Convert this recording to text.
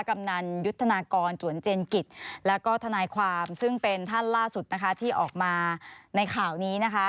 กำนันยุทธนากรจวนเจนกิจแล้วก็ทนายความซึ่งเป็นท่านล่าสุดนะคะที่ออกมาในข่าวนี้นะคะ